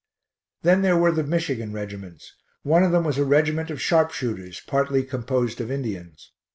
Then there [were the] Michigan regiments; one of them was a regiment of sharpshooters, partly composed of Indians.